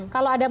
kalau ada yang